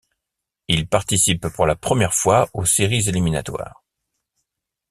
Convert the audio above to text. Ils participent pour la première fois aux séries éliminatoires.